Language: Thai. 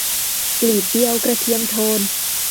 กลีบเดียวกระเทียมโทน